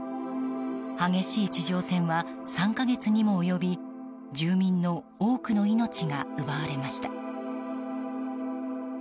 激しい地上戦は３か月にも及び住民の多くの命が奪われました。